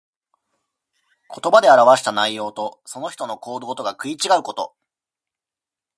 言葉で表した内容と、その人の行動とが食い違うこと。